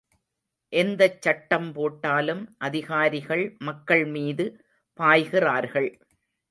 எந்தச் சட்டம் போட்டாலும் அதிகாரிகள் மக்கள் மீது பாய்கிறார்கள்.